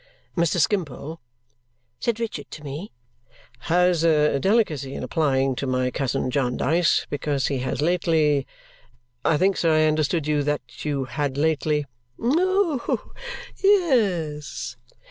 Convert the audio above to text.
"Mr. Skimpole," said Richard to me, "has a delicacy in applying to my cousin Jarndyce because he has lately I think, sir, I understood you that you had lately " "Oh, yes!"